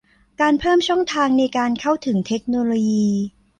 การเพิ่มช่องทางในการเข้าถึงเทคโนโลยี